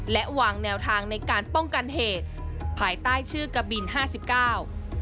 และวางแนวทางในการป้องกันเหตุภายใต้ชื่อกะบินห้าสิบเก้า